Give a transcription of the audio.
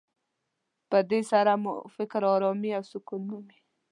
په دې سره مو فکر ارامي او سکون مومي.